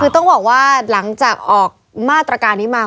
คือต้องบอกว่าหลังจากออกมาตรการนี้มา